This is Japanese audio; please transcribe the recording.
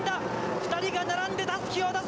２人が並んでたすきを出す。